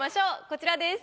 こちらです。